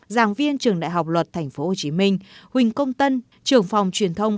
giảng viên trường đại học luật tp hcm huỳnh công tân trường phòng truyền thông